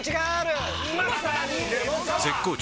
絶好調！！